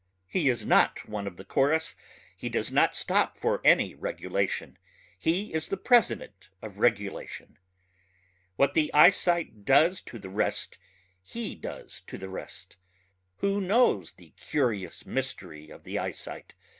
He is not one of the chorus ... he does not stop for any regulation ... he is the president of regulation. What the eyesight does to the rest he does to the rest. Who knows the curious mystery of the eyesight?